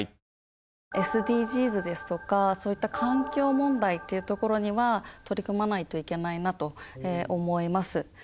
ＳＤＧｓですとかそういった環境問題っていうところには取り組まないといけないなと思います。